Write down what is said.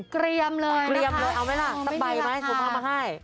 เกรียมเลยเอาไหมล่ะสบายไหมผมทำมาให้